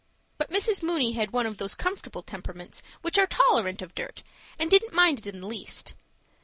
But Mrs. Mooney had one of those comfortable temperaments which are tolerant of dirt, and didn't mind it in the least.